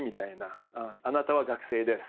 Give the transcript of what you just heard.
「あなたは学生です」